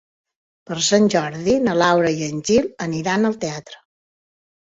Per Sant Jordi na Laura i en Gil aniran al teatre.